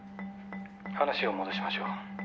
「話を戻しましょう。